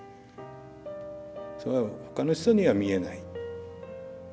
それは他の人には見えない。